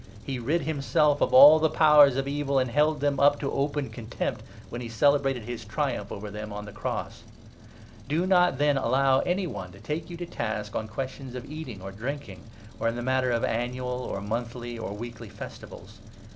He rid himself of all the 15 Powers of Evil, and held them up to open contempt, when he celebrated his triumph over them on the cross ! This um< ^° not> then, allow any one to take you to task 16 obs'curecMay on questions of eating or drinking, or in the Gnostic matter of annual or monthly or weekly festivals.